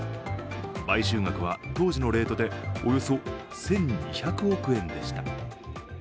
買収額は当時のレートでおよそ１２００億円でした。